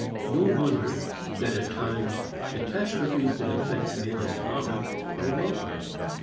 No wonder that at times catastrophes that affect men in common are welcomed.